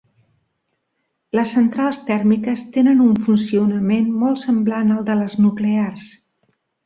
Les centrals tèrmiques tenen un funcionament molt semblant al de les nuclears.